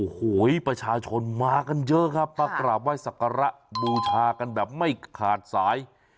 โอ้โหประชาชนมากันเยอะครับมากราบไหว้สักการะบูชากันแบบไม่ขาดสาย